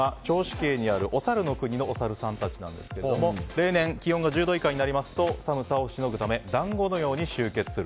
渓にあるお猿の国のおサルさんたちですが例年、気温が１０度以下になりますと寒さをしのぐため団子のように集結する。